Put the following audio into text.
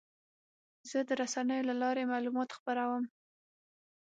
زه د رسنیو له لارې معلومات خپروم.